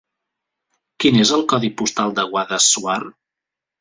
Quin és el codi postal de Guadassuar?